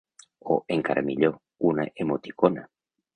O, encara millor, una emoticona!